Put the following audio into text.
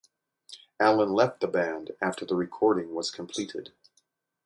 Allan left the band after the recording was completed.